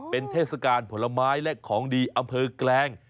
เป็นเทศกาลผลไม้และของดีอำเภอแกลง